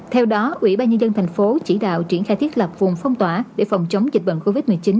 theo đó ủy ban nhân dân thành phố chỉ đạo triển khai thiết lập vùng phong tỏa để phòng chống dịch bệnh covid một mươi chín